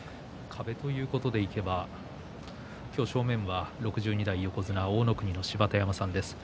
壁ということでいえば今日、正面は６２代横綱大乃国の芝田山さんです。